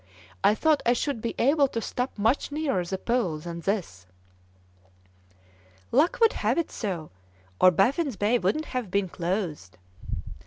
I thought I should be able to stop much nearer the Pole than this!" "Luck would have it so, or Baffin's Bay wouldn't have been closed."